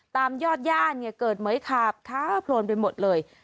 ตามยอดย่านเกิดเม้ยคาบค้าโผลนไปหมดเลย